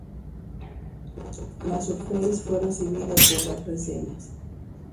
La Surface fue recibida con variadas reseñas.